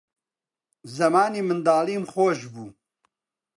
زەمانی منداڵیم خۆش بوو